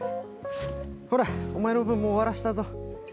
ほら、お前の分、もう終わらせたぞ。